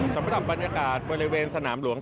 สำหรับบรรยากาศบริเวณสนามหลวง